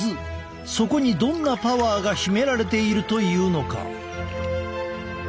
そこにどんなパワーが秘められているというのか？